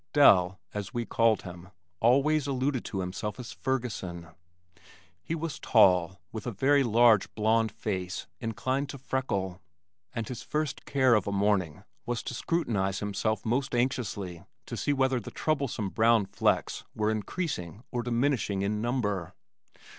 "Del," as we called him, always alluded to himself as "Ferguson." He was tall, with a very large blond face inclined to freckle and his first care of a morning was to scrutinize himself most anxiously to see whether the troublesome brown flecks were increasing or diminishing in number.